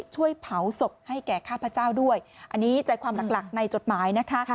ช่วยเผาศพให้แก่ข้าพเจ้าด้วยอันนี้ใจความหลักในจดหมายนะคะ